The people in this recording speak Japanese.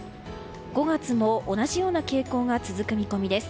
５月も同じような傾向が続く見込みです。